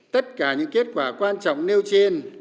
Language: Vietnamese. tất cả những kết quả quan trọng nêu trên